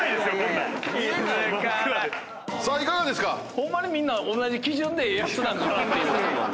ホンマにみんな同じ基準でええやつなんかなっていう。